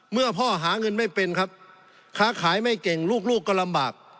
พ่อหาเงินไม่เป็นครับค้าขายไม่เก่งลูกก็ลำบาก